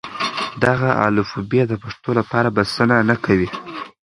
دغه الفبې د پښتو لپاره بسنه نه کوي.